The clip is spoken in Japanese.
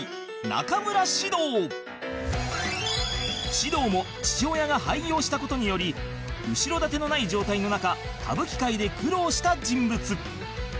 獅童も父親が廃業した事により後ろ盾のない状態の中歌舞伎界で苦労した人物